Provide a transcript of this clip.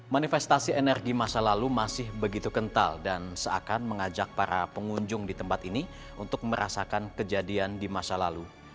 manifestasi energi masa lalu masih begitu kental dan seakan mengajak para pengunjung di tempat ini untuk merasakan kejadian di masa lalu